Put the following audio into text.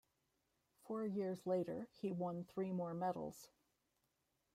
Four years later he won three more medals.